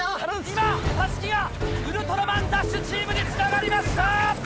今襷がウルトラマンＤＡＳＨチームにつながりました！